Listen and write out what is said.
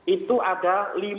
itu ada lima